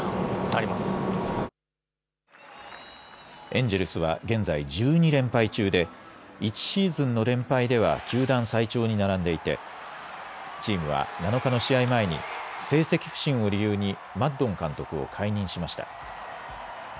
エンジェルスは現在、１２連敗中で１シーズンの連敗では球団最長に並んでいてチームは７日の試合前に成績不振を理由にマッドン監督を解任しました。